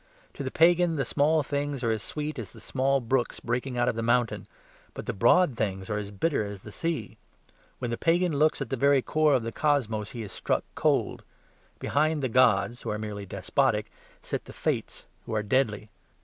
To the pagan the small things are as sweet as the small brooks breaking out of the mountain; but the broad things are as bitter as the sea. When the pagan looks at the very core of the cosmos he is struck cold. Behind the gods, who are merely despotic, sit the fates, who are deadly.